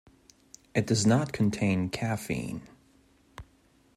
It does not contain caffeine.